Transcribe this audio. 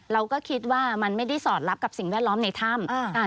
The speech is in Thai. เราก็คิดว่ามันไม่ได้สอดรับกับสิ่งแวดล้อมในถ้ำ